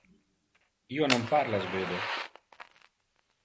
Io non parla svedo.